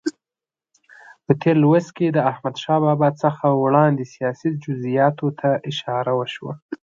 په تېر لوست کې د احمدشاه بابا څخه وړاندې سیاسي جزئیاتو ته اشاره وشوه.